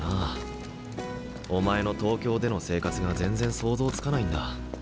お前の東京での生活が全然想像つかないんだ。